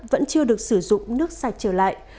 vẫn chưa được sử dụng nước sạch trở lại